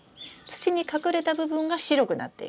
土に隠れた部分が白くなっていく。